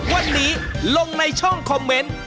วันนี้ลงในช่องคอมเมนต์